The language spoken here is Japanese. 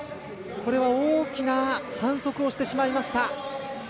これは大きな反則をしてしまいました。